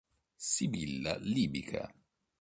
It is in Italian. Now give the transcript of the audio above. Sibilla Libica